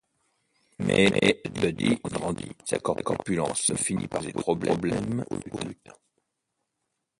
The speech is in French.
Mais Buddy grandit et sa corpulence finit par poser problème aux lutins.